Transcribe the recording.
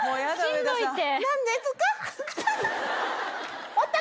しんどいって。